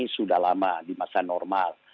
sudah lama di masa normal